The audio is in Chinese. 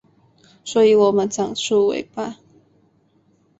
所以我们长出尾巴